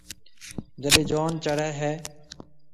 جڏَي جان چڙھيََََ ھيََََ